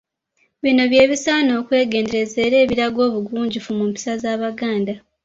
Bino bye bisaana okwegendereza era ebiraga obugunjufu mu mpisa z’Abaganda.